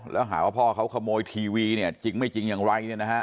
แล้วหาว่าพ่อเขาขโมยทีวีเนี่ยจริงไม่จริงอย่างไรเนี่ยนะฮะ